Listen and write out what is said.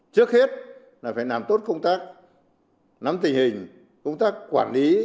trước hết là phải làm tốt công tác nắm tình hình công tác quản lý